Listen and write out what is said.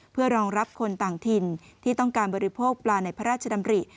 เพื่อรองรับคนต่างถิ่นที่ต้องการบริโภคปลาในพระราชดำริ